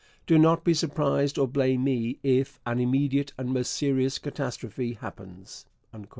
Do not be surprised, or blame me, if an immediate and most serious catastrophe happens.